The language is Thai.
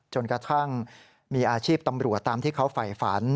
จนกระทั่งมีอาชีพตำรวจตามที่เขาฝ่ายฝัน